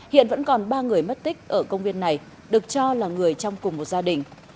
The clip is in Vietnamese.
hiện vẫn còn ba người mất tích ở công viên này được cho là người trong cùng một gia đình